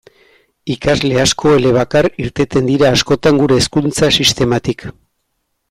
Ikasle asko elebakar irteten dira askotan gure hezkuntza sistematik.